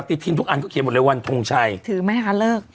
ติทินทุกอันเขาเขียนหมดเลยวันทงชัยถือไหมคะเลิก